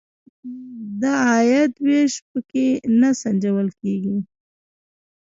د عاید وېش په کې نه سنجول کیږي.